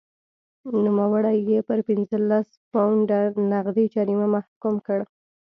نوموړی یې پر پنځلس پونډه نغدي جریمې محکوم کړ.